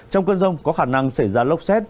trong cơn rông có khả năng xảy ra lốc xét